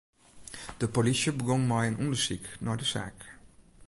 De polysje begûn mei in ûndersyk nei de saak.